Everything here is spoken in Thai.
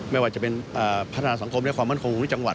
ไม่ว่าจะเป็นพัฒนาสังคมและความมั่นคงของจังหวัด